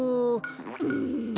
うん。